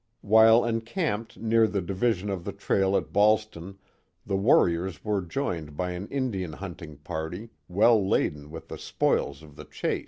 While encamped near the division of the trail at Ballston the warriors were joined by an Indian huntinj^ party well laden with the spoils of the chase.